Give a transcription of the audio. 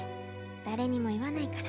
だれにもいわないから。